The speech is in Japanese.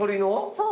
そう。